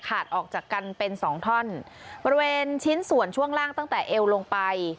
ออกจากกันเป็นสองท่อนบริเวณชิ้นส่วนช่วงล่างตั้งแต่เอวลงไป